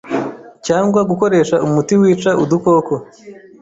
cyangwa gukoresha umuti wica udukoko